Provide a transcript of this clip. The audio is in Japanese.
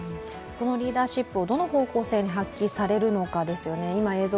そのリーダーシップをどの方向性に発揮されるのかですよね。